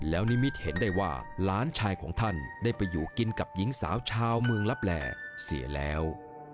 แล้วนิมิตเห็นได้ว่าหลานชายของท่านได้ไปอยู่กินกับหญิงสาวชาวเมืองลับแหล่เสียแล้ว